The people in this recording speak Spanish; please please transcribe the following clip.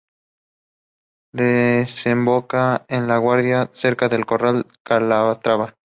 Desemboca en el Guadiana cerca de Corral de Calatrava.